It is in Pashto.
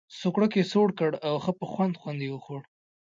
سوکړک یې سوړ کړ او ښه په خوند خوند یې وخوړ.